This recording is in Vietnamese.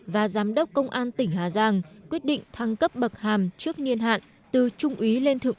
và giám đốc công an tỉnh hà giang quyết định thăng cấp bậc hàm trước niên hạn từ trung úy lên thượng